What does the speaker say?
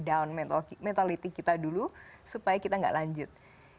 jadi mereka berusaha nge break down mentality kita dulu supaya kita nggak lanjut